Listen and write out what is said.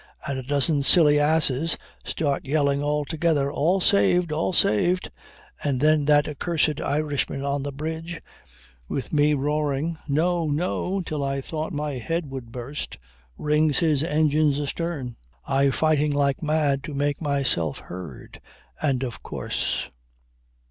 and a dozen silly asses start yelling all together, "All saved! All saved," and then that accursed Irishman on the bridge, with me roaring No! No! till I thought my head would burst, rings his engines astern. He rings the engines astern I fighting like mad to make myself heard! And of course